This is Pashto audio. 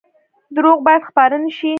دروغ باید خپاره نشي